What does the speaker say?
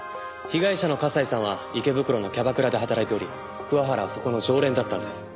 被害者の笠井さんは池袋のキャバクラで働いており桑原はそこの常連だったんです。